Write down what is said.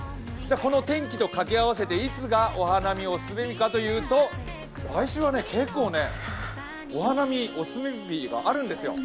この天気と掛け合わせて、いつがお花見オススメかというと、来週は結構ね、お花見オススメ日はあるんですよ。